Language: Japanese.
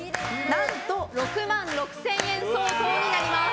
何と６万６０００円相当になります。